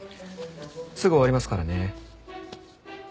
すぐ終わりますからね。